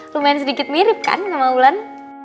lumayan sedikit mirip kan sama wulan